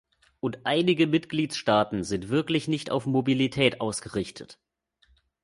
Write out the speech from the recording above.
Und einige Mitgliedstaaten sind wirklich nicht auf Mobilität ausgerichtet.